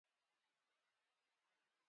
چې ته وا چا به په چړې پرې کړي وي.